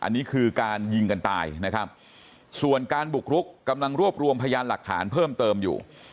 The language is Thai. อันนี้คือการยิงกันตายนะครับส่วนการบุกรุกกำลังรวบรวมพยานหลักฐานเพิ่มเติมอยู่